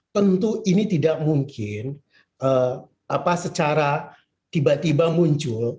tentu ini tidak mungkin secara tiba tiba muncul